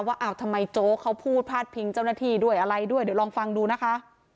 ว่าอ้าวทำไมโจ๊กเขาพูดพาดพิงเจ้าหน้าที่ด้วยอะไรด้วยเดี๋ยวลองฟังดูนะคะ